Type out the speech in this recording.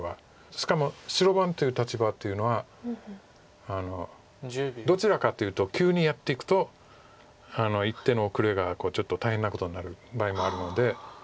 しかも白番という立場というのはどちらかというと急にやっていくと一手の遅れがちょっと大変なことになる場合もあるので。